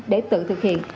để tự thực hiện